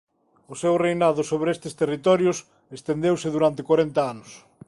O seu reinado sobre estes territorios estendeuse durante corenta anos.